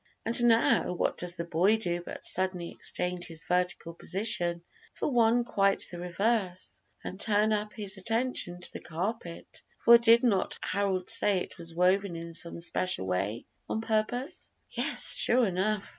And now what does the boy do but suddenly exchange his vertical position for one quite the reverse, and turn all his attention to the carpet; for did not Harold say it was woven in some special way on purpose? Yes, sure enough!